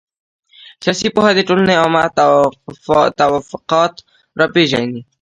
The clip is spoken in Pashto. سياسي پوهه د ټولني عامه توافقات را پېژني.